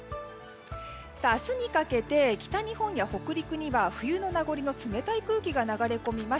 明日にかけて、北日本や北陸には冬の名残の冷たい空気が流れ込みます。